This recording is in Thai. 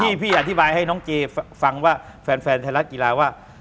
พี่อธิบายให้น้องเจฟังว่าแฟนไทยรัฐกีฬาว่า